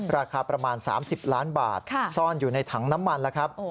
ราคาประมาณ๓๐ล้านบาทซ่อนอยู่ในถังน้ำมันแล้วครับ